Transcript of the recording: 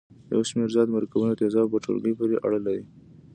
یو شمیر زیات مرکبونه د تیزابو په ټولګي پورې اړه لري.